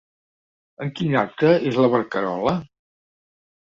En quin acte és la barcarola?